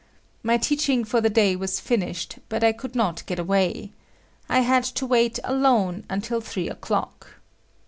My teaching for the day was finished but I could not get away. I had to wait alone until three o'clock.